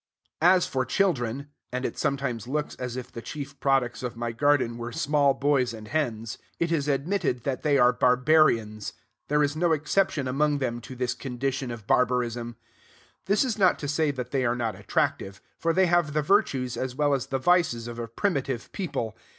As for children (and it sometimes looks as if the chief products of my garden were small boys and hens), it is admitted that they are barbarians. There is no exception among them to this condition of barbarism. This is not to say that they are not attractive; for they have the virtues as well as the vices of a primitive people.